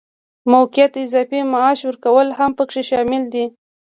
موقت اضافي معاش ورکول هم پکې شامل دي.